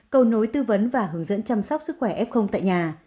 cầu nối tư vấn và hướng dẫn chăm sóc sức khỏe f tại nhà